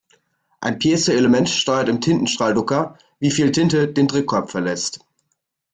Ein Piezoelement steuert im Tintenstrahldrucker, wie viel Tinte den Druckkopf verlässt.